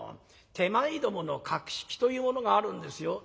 手前どもの格式というものがあるんですよ。